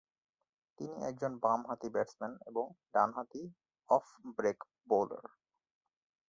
তিনি একজন বামহাতি ব্যাটসম্যান এবং ডানহাতি অফ ব্রেক বোলার।